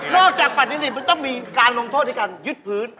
นอกจากปัญชิงฤทธิ์มันต้องมีการลงโทษที่การยึดพื้น